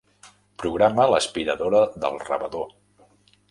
Programa l'aspiradora del rebedor.